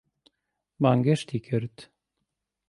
بانگێشتی کرد.